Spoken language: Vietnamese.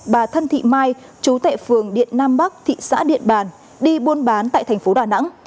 bà thân thị mai chú tại phường điện nam bắc thị xã điện bàn đi buôn bán tại thành phố đà nẵng